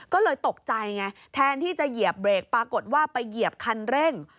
ก็เลยตกใจไงแทนที่จะเหยียบเบรกปรากฏว่าไปเหยียบคันเร่ง